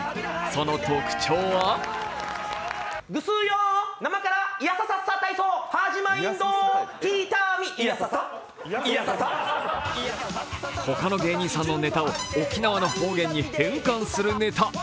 その特徴は他の芸人さんのネタを沖縄の方言に変換するネタ。